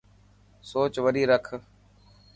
سوچ وڏي رک.